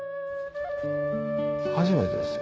初めてですよ。